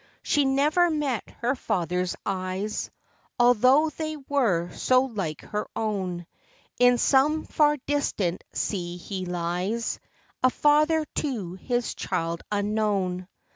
She never met her fatherŌĆÖs eyes, Although they were so like her own; In some far distant sea he lies, A father to his child unknown.